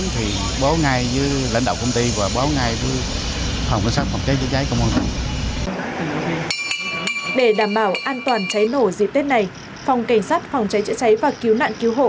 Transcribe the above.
phòng cảnh sát phòng trái chữa trái và cứu nạn cứu hộ